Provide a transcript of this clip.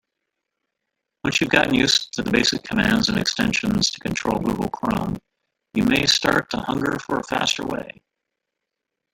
Once you've gotten used to the basic commands and extensions to control Google Chrome, you may start to hunger for a faster way.